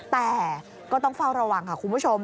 แต่ก็ต้องเฝ้าระวังค่ะคุณผู้ชม